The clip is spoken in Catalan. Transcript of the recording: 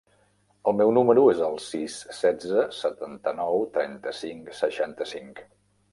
El meu número es el sis, setze, setanta-nou, trenta-cinc, seixanta-cinc.